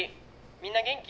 みんな元気？」。